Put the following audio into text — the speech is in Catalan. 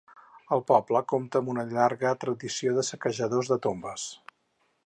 El poble compta amb una llarga tradició de saquejadors de tombes.